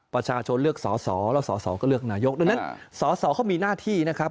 ประชาชนเลือกสอสอแล้วสอสอก็เลือกนายกดังนั้นสอสอเขามีหน้าที่นะครับ